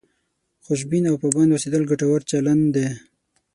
خوشبین او پابند اوسېدل ګټور چلند دی.